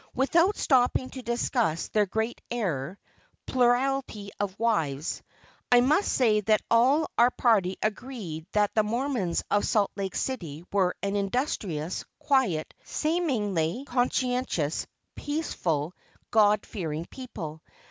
Without stopping to discuss their great error a plurality of wives, I must say that all of our party agreed that the Mormons of Salt Lake City were an industrious, quiet, seemingly conscientious, peaceable, God fearing people.